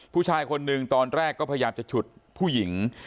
ผู้ชายคนหนึ่งตอนแรกก็พยายามจะฉุดผู้หญิง